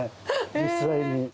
実際に。